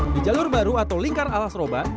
di jalur baru atau lingkar ala seroban